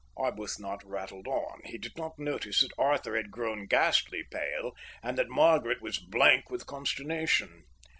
Arbuthnot rattled on. He did not notice that Arthur had grown ghastly pale and that Margaret was blank with consternation.